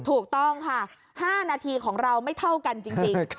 ถูกต้องค่ะ๕นาทีของเราไม่เท่ากันจริง